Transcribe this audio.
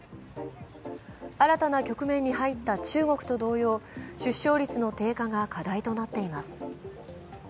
新たな局面に入った中国と同様、出生率の低下が課題となっています。